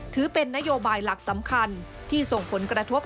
ถือเป็นนโยบายหลักสำคัญที่ส่งผลกระทบ